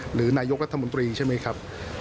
หรือนายกรัฐมนตรีใช่ไหมครับ